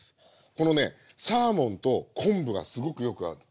このねサーモンと昆布がすごくよく合うの。